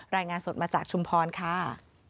รายงานสดมาจากชุมพรค่ะ